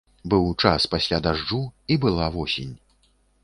Быў час пасля дажджу, і была восень.